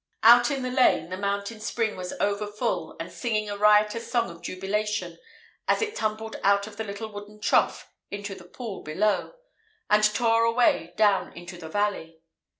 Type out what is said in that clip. Out in the lane, the mountain spring was over full and singing a riotous song of jubilation as it tumbled out of the little wooden trough into the pool below, and tore away down into the valley.